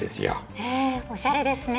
へえおしゃれですね。